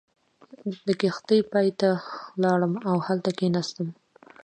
د کښتۍ پای ته ولاړم او هلته کېناستم.